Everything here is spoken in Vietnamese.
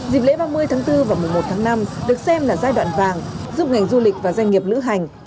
dịp lễ ba mươi tháng bốn và một mươi một tháng năm được xem là giai đoạn vàng giúp ngành du lịch và doanh nghiệp lữ hành